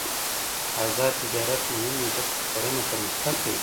آزاد تجارت مهم دی ځکه چې کرنه پرمختګ کوي.